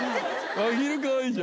まひるかわいいじゃん。